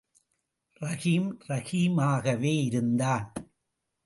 ரஹீம் ரஹீமாகவே இருந்தான்.